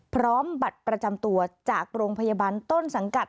พร้อมบัตรประจำตัวจากโรงพยาบาลต้นสังกัด